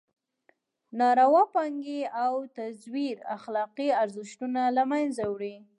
ناروا پانګې او تزویر اخلاقي ارزښتونه له مېنځه وړي.